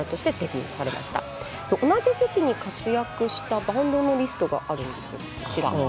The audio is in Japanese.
同じ時期に活躍したバンドのリストがあるんですこちら。